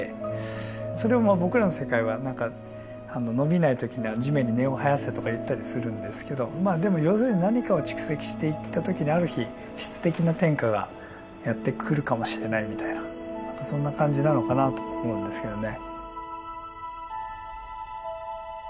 それをまあ僕らの世界は何か「伸びない時には地面に根を生やせ」とか言ったりするんですけどでも要するに何かを蓄積していった時にある日質的な転化がやって来るかもしれないみたいな何かそんな感じなのかなと思うんですけどね。